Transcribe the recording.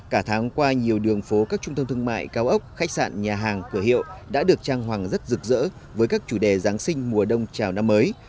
cả tháng qua nhiều đường phố các trung tâm thương mại cao ốc khách sạn nhà hàng cửa hiệu đã được trang hoàng rất rực rỡ với các chủ đề giáng sinh mùa đông chào năm mới